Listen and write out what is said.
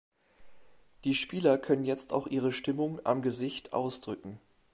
Die Spieler können jetzt auch ihre Stimmung am Gesicht ausdrücken.